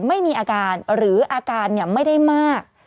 ไม่มีอาการหรืออาการไม่ได้มาก